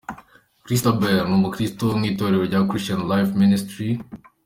Christabel ni umukristu mu itorero cya Christian Life Ministry.